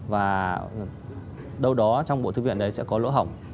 và đâu đó trong bộ thư viện đấy sẽ có lỗ hỏng